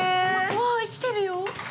◆わあ、生きてるよ。